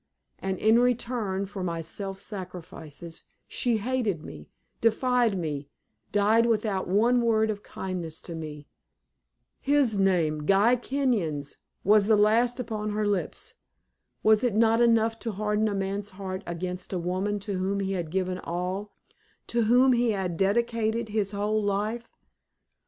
And in return for my self sacrifices, she hated me, defied me, died without one word of kindness to me. His name Guy Kenyon's was the last upon her lips. Was it not enough to harden a man's heart against a woman to whom he had given all, to whom he had dedicated his whole life?